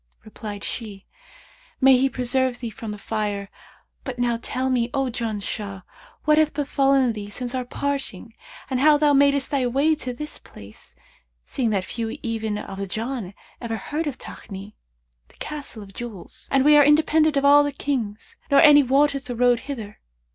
Replied she, 'May He preserve thee from the Fire!, but now tell me, O Janshah, what hath befallen thee since our parting and how thou madest thy way to this place; seeing that few even of the Jann ever heard of Takni, the Castle of Jewels; and we are independent of all the Kings nor any wotteth the road hither.'